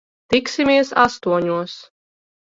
Tiksimies astoņos.